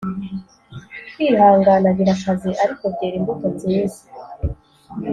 kwihangana birakaze, ariko byera imbuto nziza